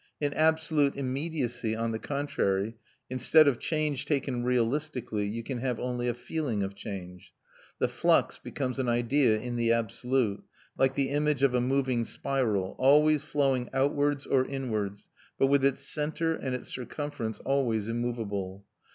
In absolute immediacy, on the contrary, instead of change taken realistically, you can have only a feeling of change. The flux becomes an idea in the absolute, like the image of a moving spiral, always flowing outwards or inwards, but with its centre and its circumference always immovable.